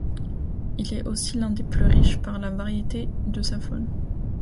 Il est aussi l'un des plus riches par la variété de sa faune.